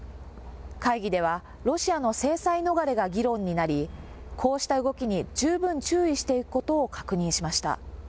会議では、ロシアの制裁逃れが議論になり、こうした動きに十分注意していくことを確認しました。